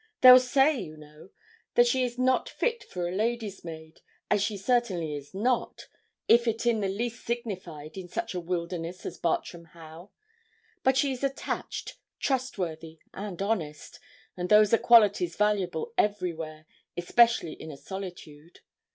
'They'll say, you know, that she is not fit for a lady's maid, as she certainly is not, if it in the least signified in such a wilderness as Bartram Haugh; but she is attached, trustworthy, and honest; and those are qualities valuable everywhere, especially in a solitude.